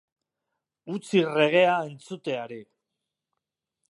Utzi reggaea entzuteari.